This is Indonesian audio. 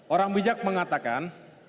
orang bijak mengatakan